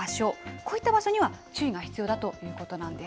こういった場所には注意が必要だということなんです。